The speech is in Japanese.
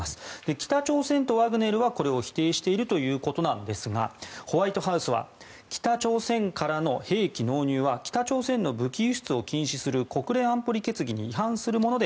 北朝鮮とワグネルはこれを否定しているということですがホワイトハウスは北朝鮮からの兵器納入は北朝鮮の武器輸出を禁止する国連安保理決議に違反するもので